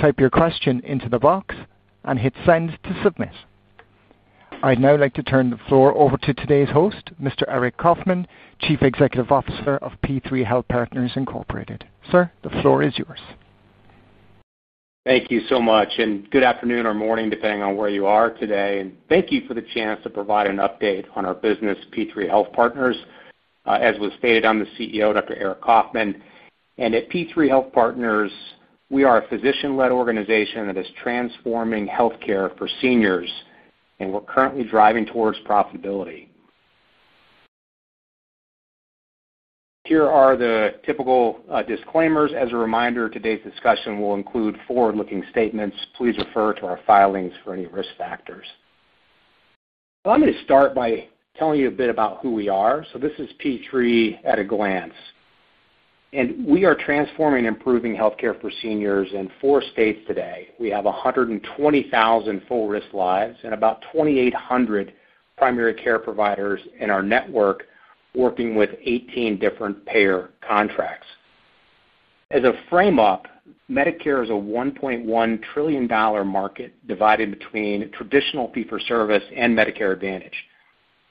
Type your question into the box and hit send to submit. I'd now like to turn the floor over to today's host, Mr. Aric Coffman, Chief Executive Officer of P3 Health Partners Incorporated. Sir, the floor is yours. Thank you so much, and good afternoon or morning, depending on where you are today. Thank you for the chance to provide an update on our business, P3 Health Partners. As was stated, I'm the CEO, Dr. Aric Coffman. At P3 Health Partners, we are a physician-led organization that is transforming health care for seniors, and we're currently driving towards profitability. Here are the typical disclaimers. As a reminder, today's discussion will include forward-looking statements. Please refer to our filings for any risk factors. I'm going to start by telling you a bit about who we are. This is P3 at a glance. We are transforming and improving health care for seniors in four states today. We have 120,000 full-risk lives and about 2,800 primary care providers in our network, working with 18 different payer contracts. As a frame-up, Medicare is a $1.1 trillion market divided between traditional fee-for-service and Medicare Advantage.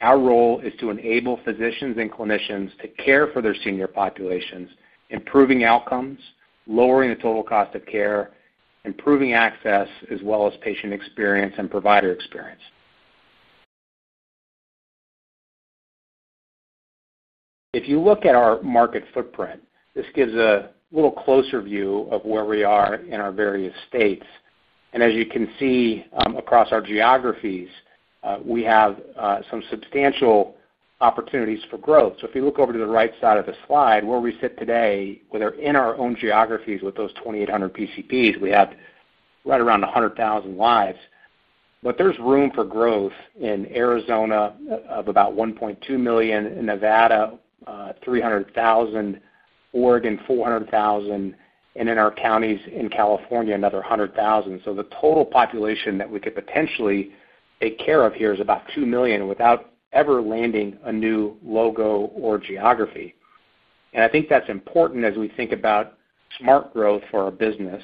Our role is to enable physicians and clinicians to care for their senior populations, improving outcomes, lowering the total cost of care, improving access, as well as patient experience and provider experience. If you look at our market footprint, this gives a little closer view of where we are in our various states. As you can see across our geographies, we have some substantial opportunities for growth. If you look over to the right side of the slide, where we sit today, we're in our own geographies with those 2,800 PCPs. We have right around 100,000 lives. There's room for growth in Arizona of about 1.2 million, in Nevada 300,000, Oregon 400,000, and in our counties in California, another 100,000. The total population that we could potentially take care of here is about 2 million without ever landing a new logo or geography. I think that's important as we think about smart growth for our business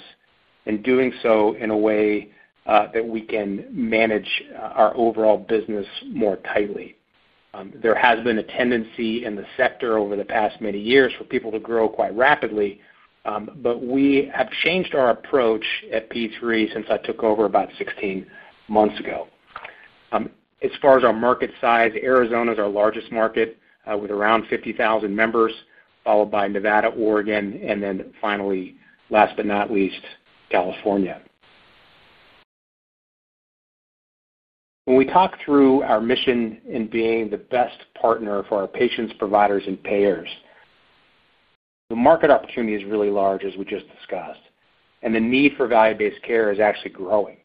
and doing so in a way that we can manage our overall business more tightly. There has been a tendency in the sector over the past many years for people to grow quite rapidly. We have changed our approach at P3 since I took over about 16 months ago. As far as our market size, Arizona is our largest market with around 50,000 members, followed by Nevada, Oregon, and then finally, last but not least, California. When we talk through our mission in being the best partner for our patients, providers, and payers, the market opportunity is really large, as we just discussed. The need for value-based care is actually growing.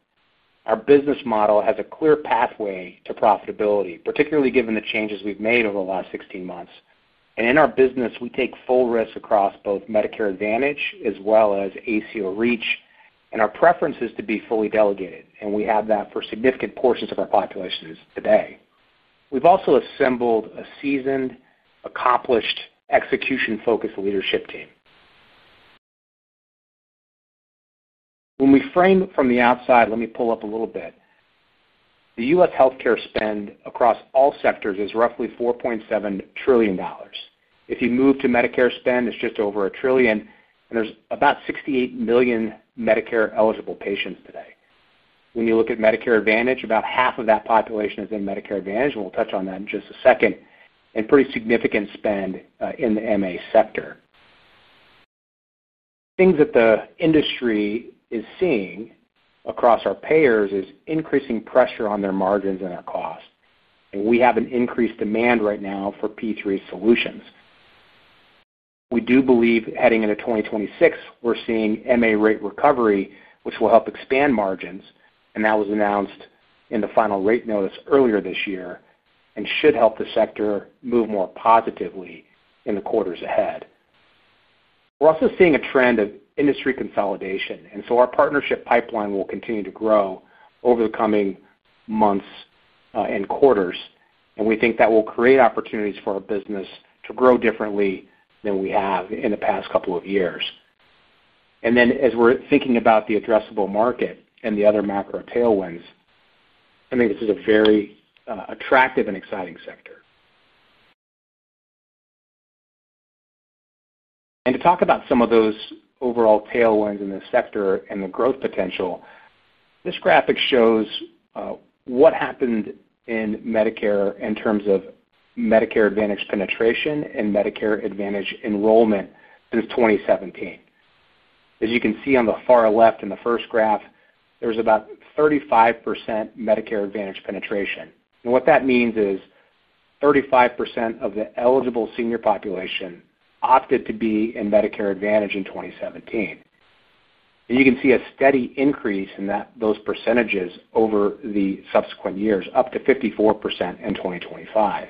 Our business model has a clear pathway to profitability, particularly given the changes we've made over the last 16 months. In our business, we take full risks across both Medicare Advantage, as well as ACO REACH, and our preference is to be fully delegated. We have that for significant portions of our populations today. We've also assembled a seasoned, accomplished, execution-focused leadership team. When we frame it from the outside, let me pull up a little bit. The U.S. healthcare spend across all sectors is roughly $4.7 trillion. If you move to Medicare spend, it's just over $1 trillion. There are about 68 million Medicare-eligible patients today. When you look at Medicare Advantage, about half of that population is in Medicare Advantage, and we'll touch on that in just a second, and pretty significant spend in the MA sector. Things that the industry is seeing across our payers is increasing pressure on their margins and their cost. We have an increased demand right now for P3 Health Partners solutions. We do believe heading into 2026, we're seeing MA rate recovery, which will help expand margins. That was announced in the final rate notice earlier this year and should help the sector move more positively in the quarters ahead. We're also seeing a trend of industry consolidation. Our partnership pipeline will continue to grow over the coming months and quarters. We think that will create opportunities for our business to grow differently than we have in the past couple of years. As we're thinking about the addressable market and the other macro tailwinds, I think this is a very attractive and exciting sector. To talk about some of those overall tailwinds in this sector and the growth potential, this graphic shows what happened in Medicare in terms of Medicare Advantage penetration and Medicare Advantage enrollment since 2017. As you can see on the far left in the first graph, there's about 35% Medicare Advantage penetration. What that means is 35% of the eligible senior population opted to be in Medicare Advantage in 2017. You can see a steady increase in those percentages over the subsequent years, up to 54% in 2025.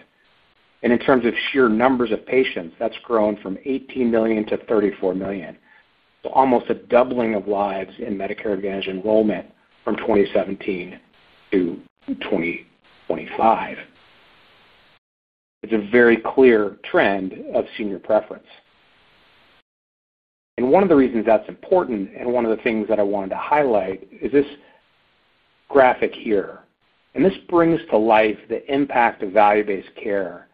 In terms of sheer numbers of patients, that's grown from 18 million to 34 million. Almost a doubling of lives in Medicare Advantage enrollment from 2017 to 2025. It's a very clear trend of senior preference. One of the reasons that's important and one of the things that I wanted to highlight is this graphic here. This brings to life the impact of value-based care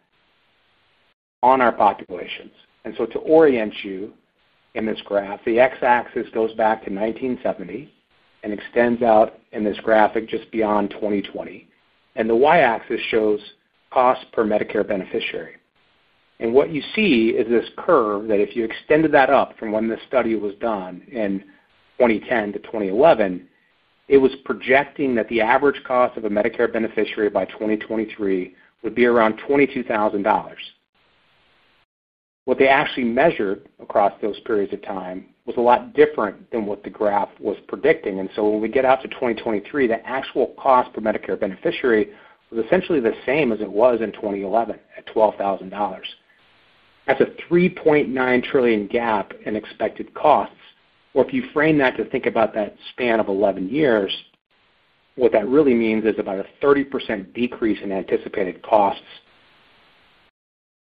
on our populations. To orient you in this graph, the x-axis goes back to 1970 and extends out in this graphic just beyond 2020. The y-axis shows cost per Medicare beneficiary. What you see is this curve that if you extended that up from when the study was done in 2010 to 2011, it was projecting that the average cost of a Medicare beneficiary by 2023 would be around $22,000. What they actually measured across those periods of time was a lot different than what the graph was predicting. When we get out to 2023, the actual cost per Medicare beneficiary was essentially the same as it was in 2011 at $12,000. That's a $3.9 trillion gap in expected costs. If you frame that to think about that span of 11 years, what that really means is about a 30% decrease in anticipated costs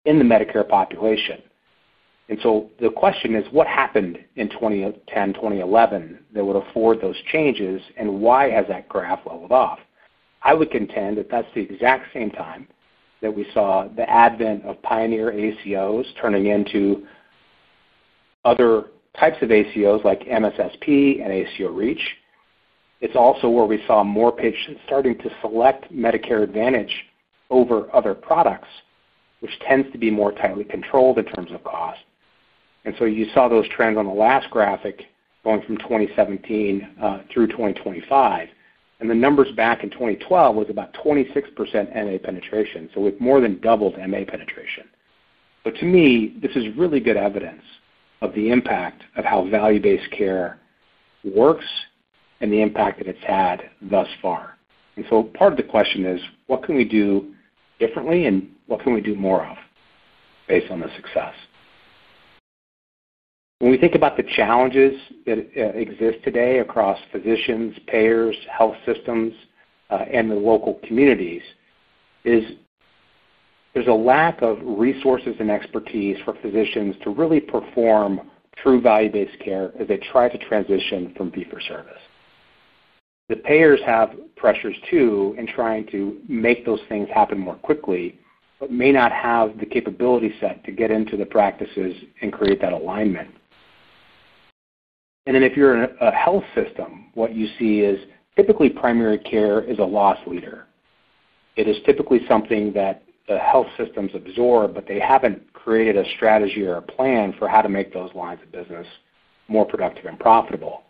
in the Medicare population. The question is, what happened in 2010, 2011 that would afford those changes? Why has that graph leveled off? I would contend that that's the exact same time that we saw the advent of pioneer ACOs turning into other types of ACOs like MSSP and ACO REACH. It's also where we saw more patients starting to select Medicare Advantage over other products, which tends to be more tightly controlled in terms of cost. You saw those trends on the last graphic going from 2017 through 2025. The numbers back in 2012 was about 26% MA penetration, so we've more than doubled MA penetration. To me, this is really good evidence of the impact of how value-based care works and the impact that it's had thus far. Part of the question is, what can we do differently and what can we do more of based on the success? When we think about the challenges that exist today across physicians, payers, health systems, and the local communities, there's a lack of resources and expertise for physicians to really perform true value-based care as they try to transition from fee-for-service. The payers have pressures too in trying to make those things happen more quickly but may not have the capability set to get into the practices and create that alignment. If you're in a health system, what you see is typically primary care is a loss leader. It is typically something that health systems absorb, but they haven't created a strategy or a plan for how to make those lines of business more productive and profitable.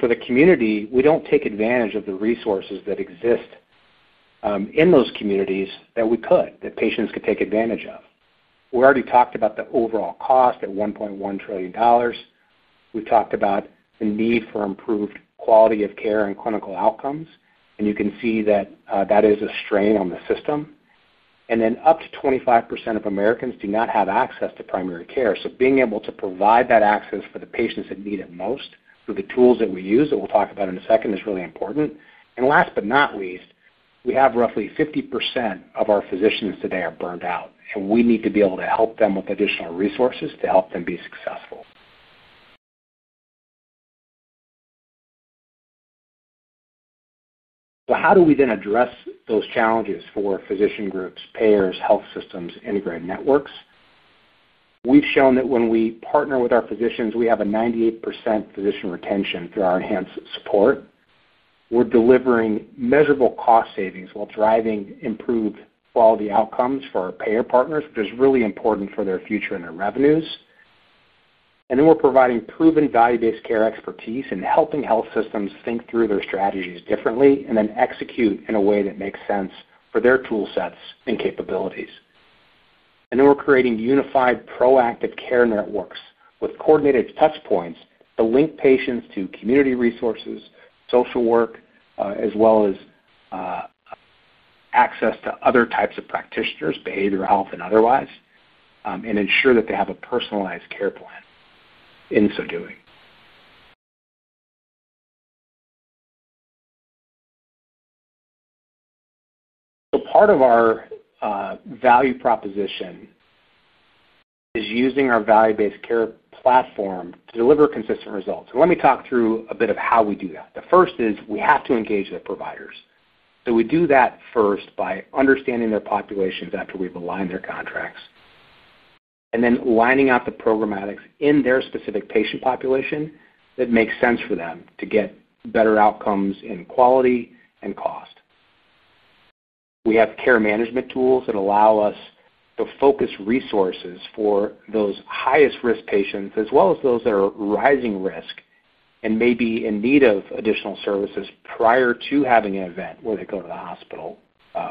For the community, we don't take advantage of the resources that exist in those communities that we could, that patients could take advantage of. We already talked about the overall cost at $1.1 trillion. We've talked about the need for improved quality of care and clinical outcomes. You can see that that is a strain on the system. Up to 25% of Americans do not have access to primary care. Being able to provide that access for the patients that need it most through the tools that we use that we'll talk about in a second is really important. Last but not least, we have roughly 50% of our physicians today are burned out. We need to be able to help them with additional resources to help them be successful. How do we then address those challenges for physician groups, payers, health systems, integrated networks? We've shown that when we partner with our physicians, we have a 98% physician retention through our enhanced support. We're delivering measurable cost savings while driving improved quality outcomes for our payer partners, which is really important for their future and their revenues. We're providing proven value-based care expertise and helping health systems think through their strategy differently and then execute in a way that makes sense for their toolsets and capabilities. We're creating unified proactive care networks with coordinated touchpoints to link patients to community resources, social work, as well as access to other types of practitioners, behavioral health and otherwise, and ensure that they have a personalized care plan in so doing. Part of our value proposition is using our value-based care platform to deliver consistent results. Let me talk through a bit of how we do that. The first is we have to engage the providers. We do that first by understanding their populations after we've aligned their contracts and then lining out the programmatics in their specific patient population that makes sense for them to get better outcomes in quality and cost. We have care management tools that allow us to focus resources for those highest-risk patients, as well as those that are rising risk and may be in need of additional services prior to having an event where they go to the hospital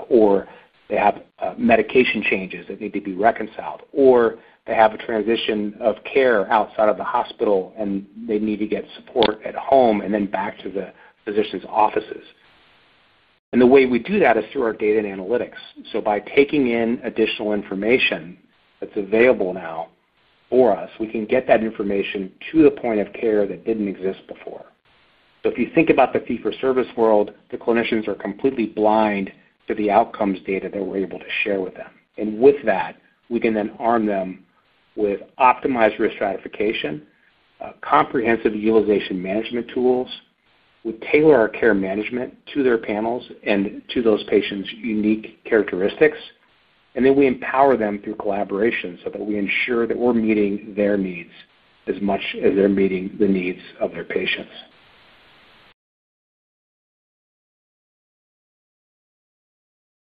or they have medication changes that need to be reconciled or they have a transition of care outside of the hospital and they need to get support at home and then back to the physician's offices. The way we do that is through our data and analytics. By taking in additional information that's available now for us, we can get that information to the point of care that didn't exist before. If you think about the fee-for-service world, the clinicians are completely blind to the outcomes data that we're able to share with them. With that, we can then arm them with optimized risk stratification, comprehensive utilization management tools. We tailor our care management to their panels and to those patients' unique characteristics. We empower them through collaboration so that we ensure that we're meeting their needs as much as they're meeting the needs of their patients.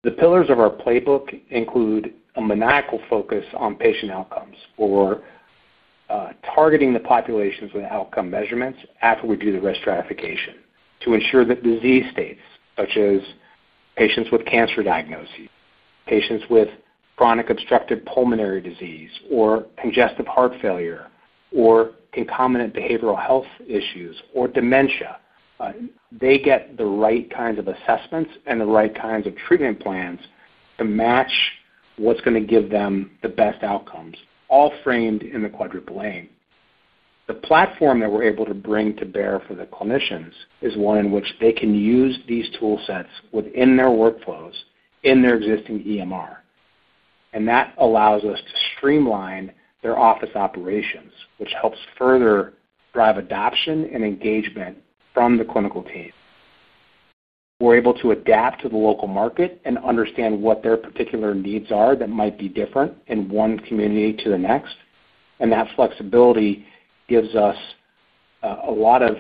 The pillars of our playbook include a maniacal focus on patient outcomes or targeting the populations with outcome measurements after we do the risk stratification to ensure that disease states, such as patients with cancer diagnoses, patients with chronic obstructive pulmonary disease or congestive heart failure or concomitant behavioral health issues or dementia, they get the right kinds of assessments and the right kinds of treatment plans to match what's going to give them the best outcomes, all framed in the quadruple A. The platform that we're able to bring to bear for the clinicians is one in which they can use these toolsets within their workflows in their existing EMR. That allows us to streamline their office operations, which helps further drive adoption and engagement from the clinical team. We're able to adapt to the local market and understand what their particular needs are that might be different in one community to the next. That flexibility gives us a lot of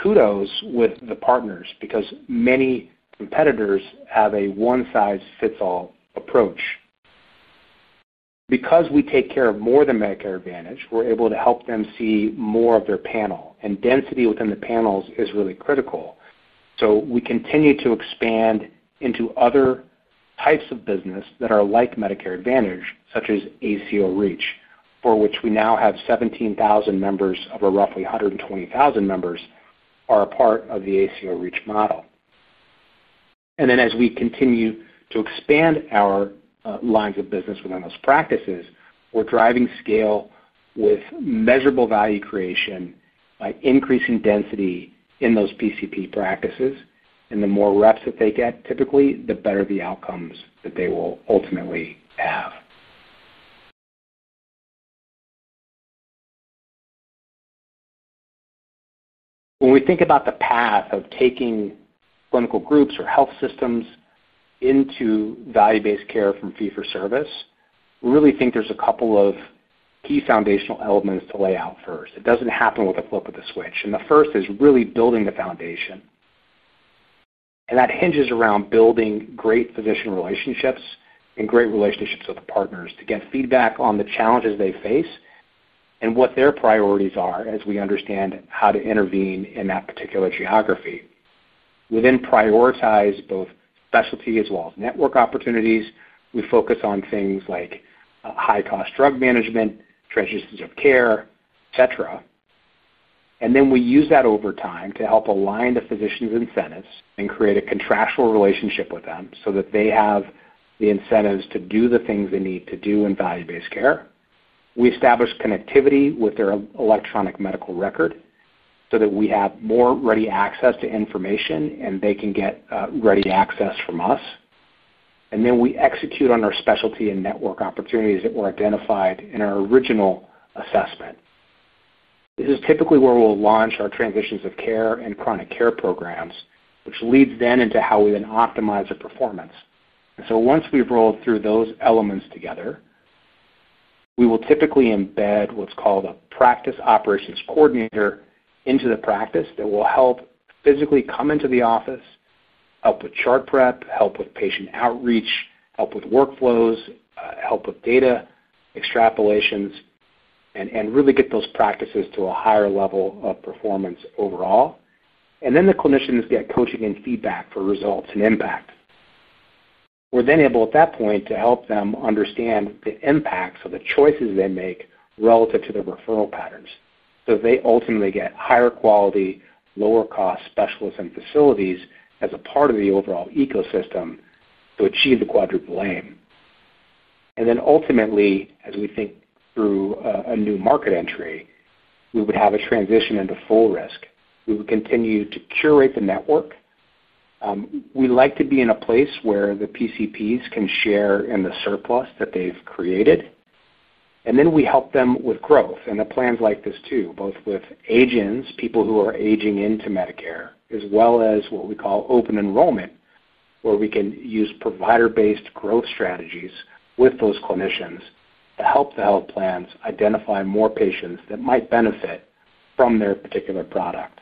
kudos with the partners because many competitors have a one-size-fits-all approach. Because we take care of more than Medicare Advantage, we're able to help them see more of their panel. Density within the panels is really critical. We continue to expand into other types of business that are like Medicare Advantage, such as ACO REACH, for which we now have 17,000 members of our roughly 120,000 members who are a part of the ACO REACH model. As we continue to expand our lines of business within those practices, we're driving scale with measurable value creation by increasing density in those PCP practices. The more reps that they get, typically, the better the outcomes that they will ultimately have. When we think about the path of taking clinical groups or health systems into value-based care from fee-for-service, we really think there's a couple of key foundational elements to lay out first. It doesn't happen with a flip of the switch. The first is really building the foundation, and that hinges around building great physician relationships and great relationships with the partners to get feedback on the challenges they face and what their priorities are as we understand how to intervene in that particular geography. We then prioritize both specialty as well as network opportunities. We focus on things like high-cost drug management, transitions of care, etc. We use that over time to help align the physicians' incentives and create a contractual relationship with them so that they have the incentives to do the things they need to do in value-based care. We establish connectivity with their electronic medical record so that we have more ready access to information and they can get ready to access from us. We execute on our specialty and network opportunities that were identified in our original assessment. This is typically where we'll launch our transitions of care and chronic care programs, which leads then into how we then optimize the performance. Once we've rolled through those elements together, we will typically embed what's called a practice operations coordinator into the practice that will help physically come into the office, help with chart prep, help with patient outreach, help with workflows, help with data extrapolations, and really get those practices to a higher level of performance overall. The clinicians get coaching and feedback for results and impact. We're then able at that point to help them understand the impacts of the choices they make relative to the referral patterns so they ultimately get higher quality, lower-cost specialists and facilities as a part of the overall ecosystem to achieve the quadruple A. Ultimately, as we think through a new market entry, we would have a transition into full risk. We would continue to curate the network. We like to be in a place where the PCPs can share in the surplus that they've created. We help them with growth. The plans like this too, both with agings, people who are aging into Medicare, as well as what we call open enrollment, where we can use provider-based growth strategies with those clinicians to help the health plans identify more patients that might benefit from their particular product.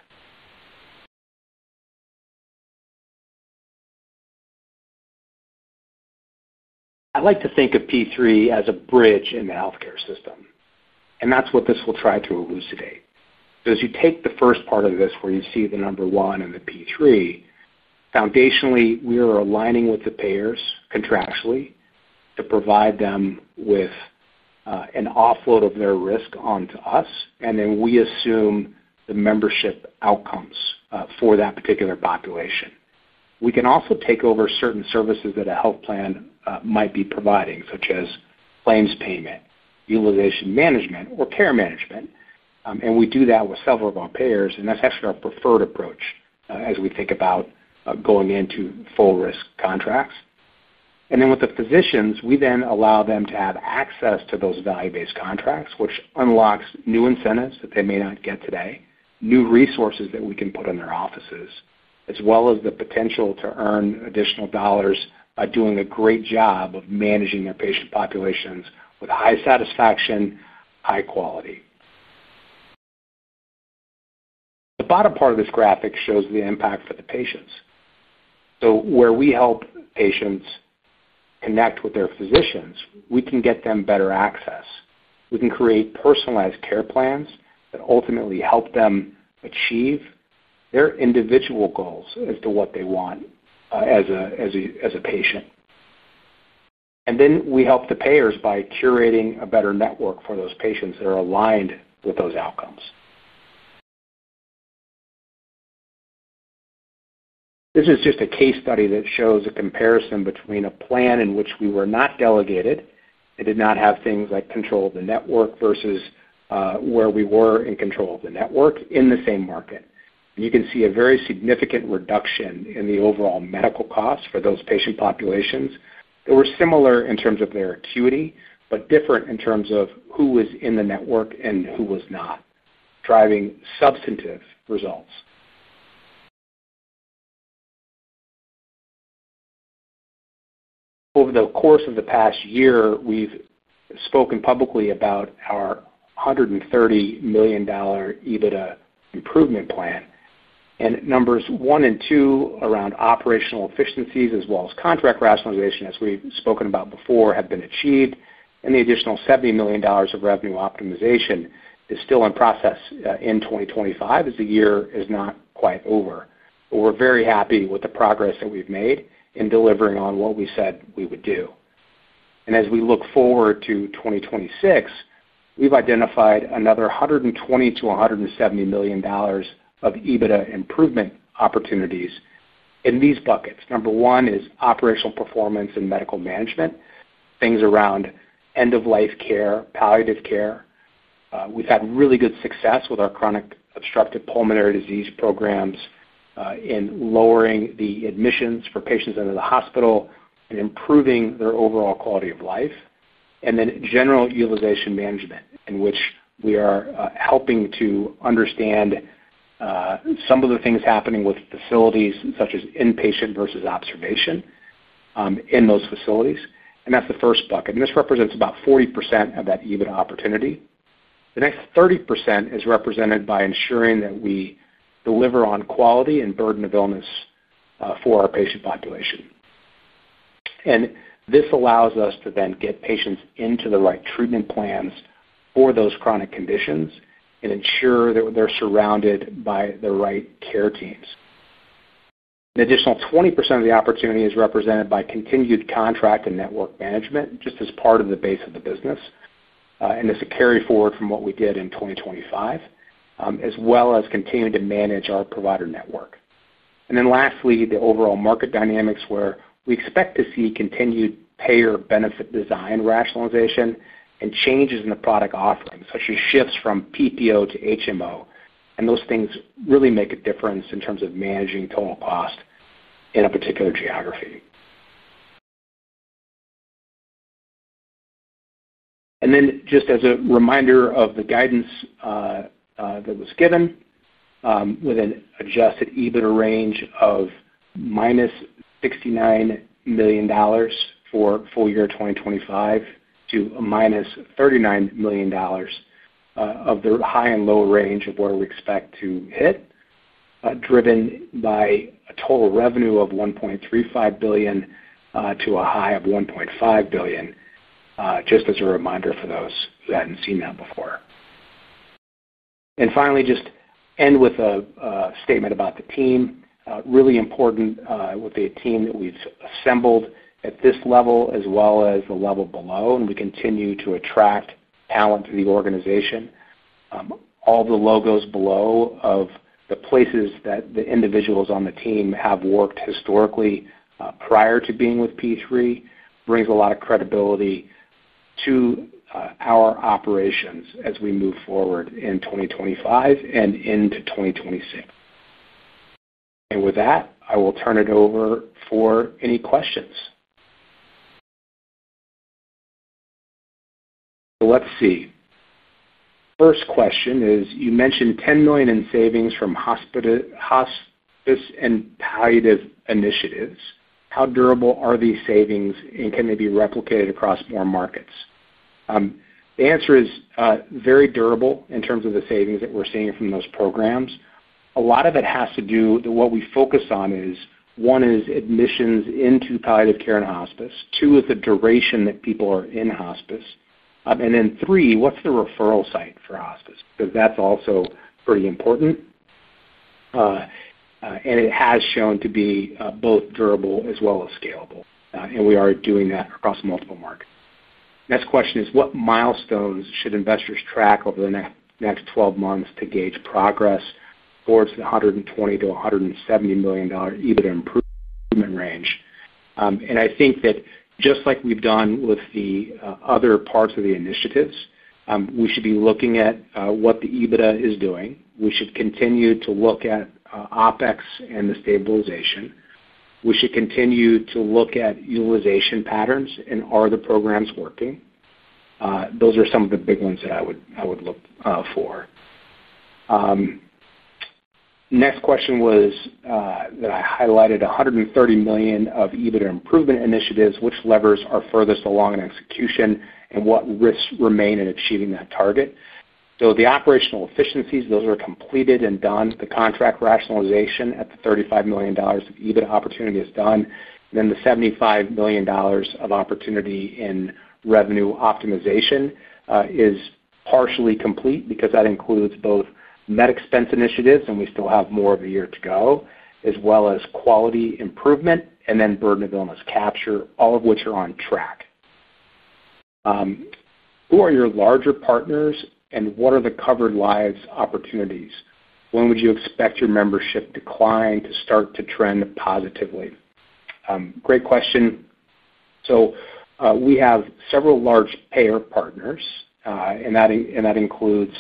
I like to think of P3 Health Partners as a bridge in the healthcare system. That is what this will try to elucidate. As you take the first part of this where you see the number one in the P3, foundationally, we are aligning with the payers contractually to provide them with an offload of their risk onto us. We assume the membership outcomes for that particular population. We can also take over certain services that a health plan might be providing, such as claims payment, utilization management, or care management. We do that with several of our payers. That is actually our preferred approach as we think about going into full-risk contracts. With the physicians, we then allow them to have access to those value-based contracts, which unlocks new incentives that they may not get today, new resources that we can put in their offices, as well as the potential to earn additional dollars by doing a great job of managing their patient populations with high satisfaction and high quality. The bottom part of this graphic shows the impact for the patients. Where we help patients connect with their physicians, we can get them better access. We can create personalized care plans that ultimately help them achieve their individual goals as to what they want as a patient. We help the payers by curating a better network for those patients that are aligned with those outcomes. This is just a case study that shows a comparison between a plan in which we were not delegated and did not have things like control of the network versus where we were in control of the network in the same market. You can see a very significant reduction in the overall medical costs for those patient populations that were similar in terms of their acuity, but different in terms of who was in the network and who was not, driving substantive results. Over the course of the past year, we've spoken publicly about our $130 million EBITDA improvement plan. Numbers one and two around operational efficiencies, as well as contract rationalization, as we've spoken about before, have been achieved. The additional $70 million of revenue optimization is still in process in 2025 as the year is not quite over. We're very happy with the progress that we've made in delivering on what we said we would do. As we look forward to 2026, we've identified another $120 to $170 million of EBITDA improvement opportunities in these buckets. Number one is operational performance and medical management, things around end-of-life care, palliative care. We've had really good success with our COPD management programs in lowering the admissions for patients into the hospital and improving their overall quality of life. General utilization management is another area in which we are helping to understand some of the things happening with facilities, such as inpatient versus observation in those facilities. That's the first bucket, and this represents about 40% of that EBITDA opportunity. The next 30% is represented by ensuring that we deliver on quality and burden of illness for our patient population. This allows us to then get patients into the right treatment plans for those chronic conditions and ensure that they're surrounded by the right care teams. The additional 20% of the opportunity is represented by continued contract and network management, just as part of the base of the business. This is carried forward from what we did in 2025, as well as continuing to manage our provider network. Lastly, the overall market dynamics where we expect to see continued payer benefit design rationalization and changes in the product offering, such as shifts from PPO to HMO. Those things really make a difference in terms of managing total cost in a particular geography. Just as a reminder of the guidance that was given with an adjusted EBITDA range of minus $69 million for full year 2025 to a minus $39 million of the high and low range of where we expect to hit, driven by a total revenue of $1.35 billion to a high of $1.5 billion, just as a reminder for those who hadn't seen that before. Finally, just end with a statement about the team. Really important with the team that we've assembled at this level, as well as the level below. We continue to attract talent to the organization. All the logos below of the places that the individuals on the team have worked historically prior to being with P3 Health Partners brings a lot of credibility to our operations as we move forward in 2025 and into 2026. With that, I will turn it over for any questions. Let's see. First question is, you mentioned $10 million in savings from hospice and palliative initiatives. How durable are these savings, and can they be replicated across more markets? The answer is very durable in terms of the savings that we're seeing from those programs. A lot of it has to do with what we focus on: one, admissions into palliative care and hospice; two, the duration that people are in hospice; and three, what's the referral site for hospice, because that's also pretty important. It has shown to be both durable as well as scalable, and we are doing that across multiple markets. Next question is, what milestones should investors track over the next 12 months to gauge progress towards the $120 to $170 million EBITDA improvement range? Just like we've done with the other parts of the initiatives, we should be looking at what the EBITDA is doing. We should continue to look at OpEx and the stabilization. We should continue to look at utilization patterns and are the programs working. Those are some of the big ones that I would look for. Next question was that I highlighted $130 million of EBITDA improvement initiatives. Which levers are furthest along in execution, and what risks remain in achieving that target? The operational efficiencies, those are completed and done. The contract rationalization at the $35 million of EBITDA opportunity is done. The $75 million of opportunity in revenue optimization is partially complete because that includes both med expense initiatives, and we still have more of a year to go, as well as quality improvement and then burden of illness capture, all of which are on track. Who are your larger partners, and what are the covered lives opportunities? When would you expect your membership decline to start to trend positively? Great question. We have several large payer partners, and that includes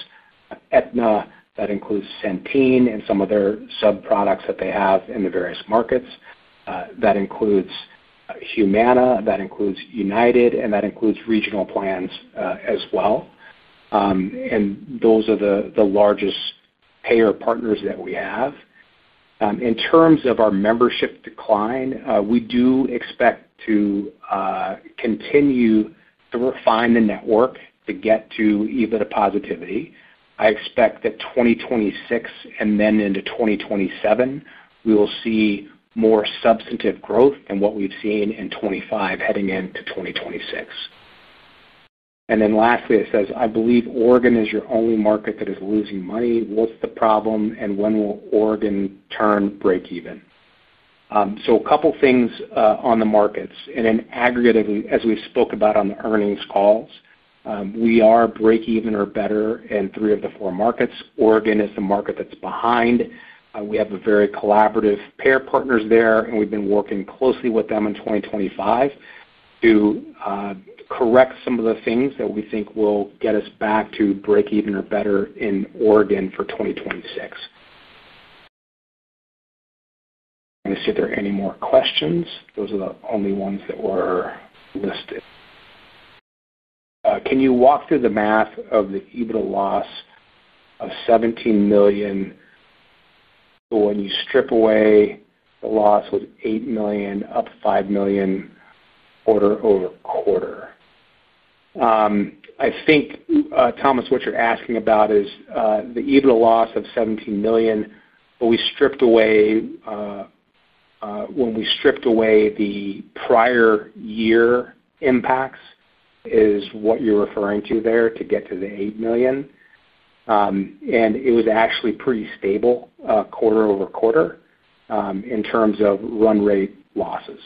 Aetna, Centene and some of their subproducts that they have in the various markets, Humana, UnitedHealthcare, and regional plans as well. Those are the largest payer partners that we have. In terms of our membership decline, we do expect to continue to refine the network to get to EBITDA positivity. I expect that 2026 and then into 2027, we will see more substantive growth than what we've seen in 2025 heading into 2026. Lastly, it says, "I believe Oregon is your only market that is losing money. What's the problem, and when will Oregon turn breakeven?" A couple of things on the markets. In aggregate, as we spoke about on the earnings calls, we are breakeven or better in three of the four markets. Oregon is the market that's behind. We have very collaborative payer partners there, and we've been working closely with them in 2025 to correct some of the things that we think will get us back to breakeven or better in Oregon for 2026. Let me see if there are any more questions. Those are the only ones that were listed. Can you walk through the math of the EBITDA loss of $17 million when you strip away the loss of $8 million, up $5 million quarter over quarter? I think, Thomas, what you're asking about is the EBITDA loss of $17 million, but we stripped away, when we stripped away the prior year impacts, is what you're referring to there to get to the $8 million. It was actually pretty stable quarter over quarter in terms of run rate losses.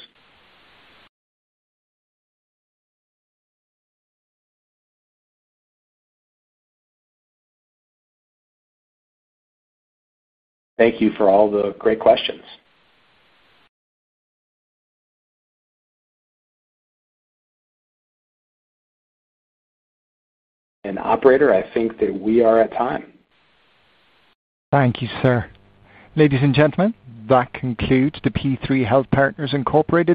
Thank you for all the great questions. Operator, I think that we are at time. Thank you, sir. Ladies and gentlemen, that concludes the P3 Health Partners Incorporated.